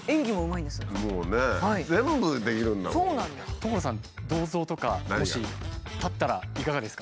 所さん銅像とかもし建ったらいかがですか？